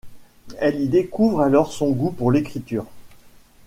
Elle y découvre alors son goût pour l'écriture.